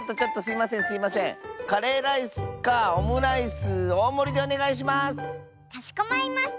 カレーライスかオムライスおおもりでおねがいします！